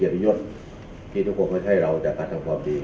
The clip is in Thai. อยู่ทั้งสิ่งที่ทุกคนไม่ใช่เราจะกัดทั้งความดี